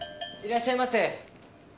いらっしゃいませ！